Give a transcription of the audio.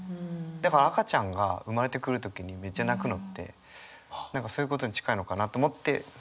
だから赤ちゃんが産まれてくる時にめっちゃ泣くのって何かそういうことに近いのかなと思って。